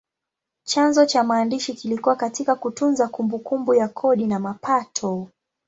Chanzo cha maandishi kilikuwa katika kutunza kumbukumbu ya kodi na mapato.